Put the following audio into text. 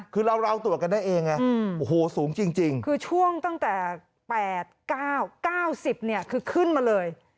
คือเราตรวจกันได้เองไงโอ้โหสูงจริงคือช่วงตั้งแต่๘๙๙๐เนี่ยคือขึ้นมาเลย